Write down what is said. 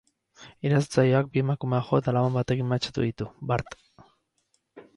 Erasotzaileak bi emakumeak jo eta laban batekin mehatxatu ditu, bart.